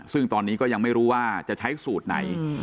ซึ่งตอนนี้ก็ยังไม่รู้ว่าจะใช้สูตรไหน